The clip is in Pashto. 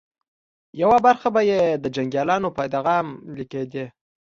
يوه برخه به یې د جنګياليو په ادغام لګېدې